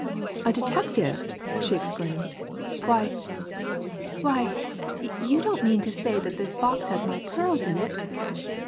"A detective!" she exclaimed. "Why why you don't mean to say that box has my pearls in it?